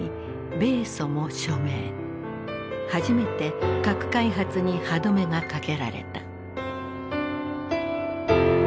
初めて核開発に歯止めがかけられた。